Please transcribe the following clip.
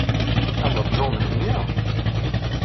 Ad ṛjuɣ Mhenni?